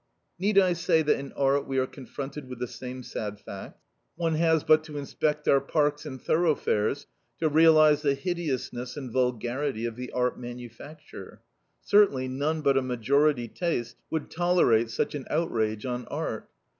Need I say that in art we are confronted with the same sad facts? One has but to inspect our parks and thoroughfares to realize the hideousness and vulgarity of the art manufacture. Certainly, none but a majority taste would tolerate such an outrage on art.